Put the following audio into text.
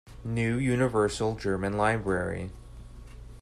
New Universal German Library.